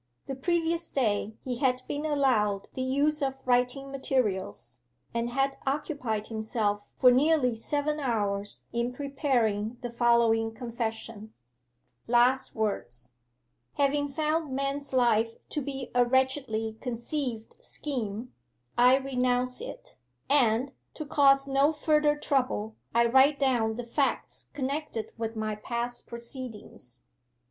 The previous day he had been allowed the use of writing materials, and had occupied himself for nearly seven hours in preparing the following confession: 'LAST WORDS. 'Having found man's life to be a wretchedly conceived scheme, I renounce it, and, to cause no further trouble, I write down the facts connected with my past proceedings.